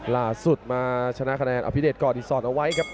ล่าสุดมาชนะคะแนนเอาพิเทศก่อนที่ซ่อนเอาไว้ครับ